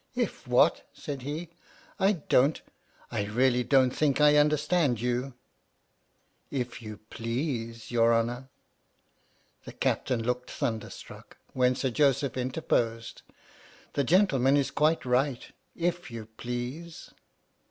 '"If what?'" said he, "I don't— I really don't think I understand you! " 49 h H.M.S. "PINAFORE" " If you please, your honour! " The Captain looked thunderstruck, when Sir Joseph interposed. "The gentleman is quite right. If you please."